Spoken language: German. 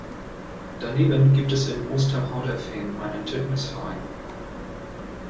Daneben gibt es in Ostrhauderfehn einen Tennisverein.